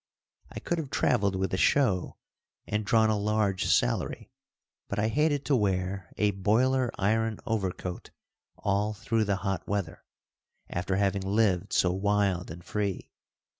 I could have traveled with a show and drawn a large salary, but I hated to wear a boiler iron overcoat all through the hot weather, after having lived so wild and free.